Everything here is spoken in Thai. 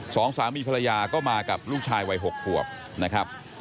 สองสามีภรรยาก็มากับลูกชายวัย๖ขวบนะครับ